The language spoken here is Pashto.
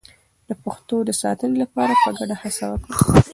د پښتو د ساتنې لپاره په ګډه هڅه وکړئ.